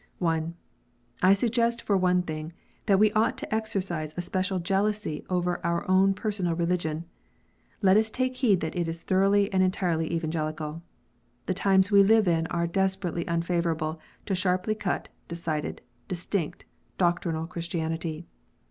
(1) I suggest, for one thing, that we ought to exercise a special jealousy over our own personal religion. Let us take heed that it is thoroughly and entirely Evangelical. The times we live in are desperately unfavourable to a sharply cut, decided, distinct, doctrinal Christianity.